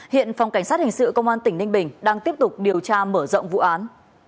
hiện phòng cảnh sát hình sự công an tỉnh ninh bình đang tiếp tục điều tra mở rộng vụ án